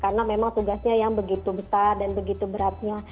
karena memang tugasnya yang begitu besar dan begitu beratnya